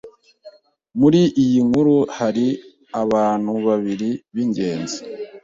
Muri iyi nkuru hari abantu babiri b'ingenzi.